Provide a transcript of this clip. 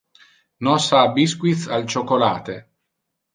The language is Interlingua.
Nos ha biscuits al chocolate.